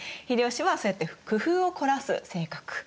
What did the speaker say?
秀吉はそうやって工夫を凝らす性格。